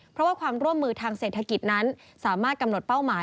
เพราะว่าความร่วมมือทางเศรษฐกิจนั้นสามารถกำหนดเป้าหมาย